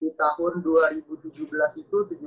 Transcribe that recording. di tahun dua ribu tujuh belas itu